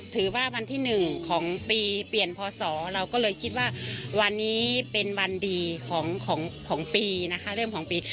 ถือว่าวันที่๑ของปีเปลี่ยนพศเราก็เลยคิดว่าวันนี้เป็นวันดีของปีนะคะเรื่องของปี